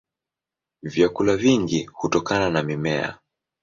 Vyakula vingi hutokana na mimea.